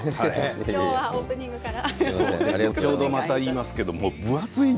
今日はオープニングから。